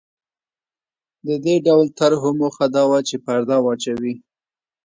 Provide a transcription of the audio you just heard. د دې ډول طرحو موخه دا وه چې پرده واچوي.